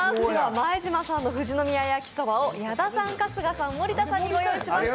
前島さんの富士宮やきそばを矢田さん、春日さん、森田さんにご用意しました。